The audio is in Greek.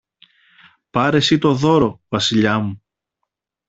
Πάρε συ το δώρο, Βασιλιά μου